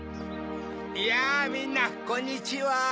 やぁみんなこんにちは。